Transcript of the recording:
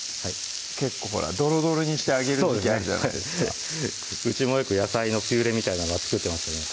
結構ほらドロドロにしてあげる時期あるじゃないですかうちもよく野菜のピューレみたいなのは作ってましたね